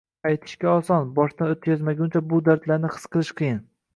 -Aytishga oson. Boshdan o’tkazmaguncha bu dardlarni his qilish qiyin.